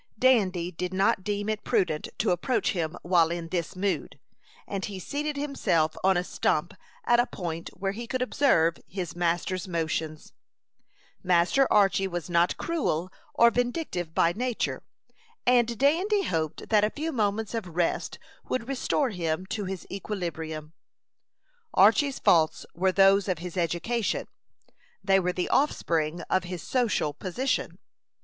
Dandy did not deem it prudent to approach him while in this mood, and he seated himself on a stump at a point where he could observe his master's motions. Master Archy was not cruel or vindictive by nature, and Dandy hoped that a few moments of rest would restore him to his equilibrium. Archy's faults were those of his education; they were the offspring of his social position.